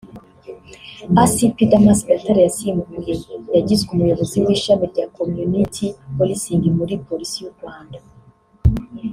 Acp Damas Gatare yasimbuye yagizwe umuyobozi w’ishami rya ‘Community Policing’ muri Polisi y’u Rwanda